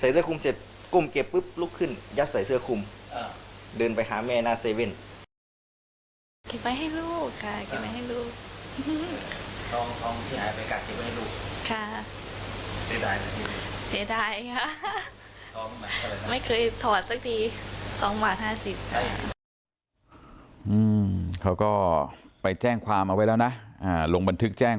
เสื้อคุมเสร็จกรุ่มเด็กรึงคลุกขึ้นยัดใส่เสือคุมเดินไปค้าแม่นาง๗